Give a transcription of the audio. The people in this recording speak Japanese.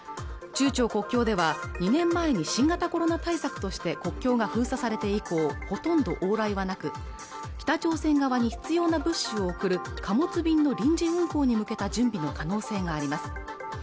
中朝国境では２年前に新型コロナ対策として国境が封鎖されて以降ほとんど往来はなく北朝鮮側に必要な物資を送る貨物便の臨時運行に向けた準備の可能性があります